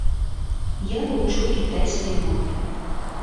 Я вучу кітайскай мове.